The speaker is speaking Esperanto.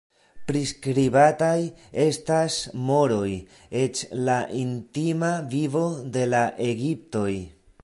Priskribataj estas moroj, eĉ la intima vivo de la egiptoj.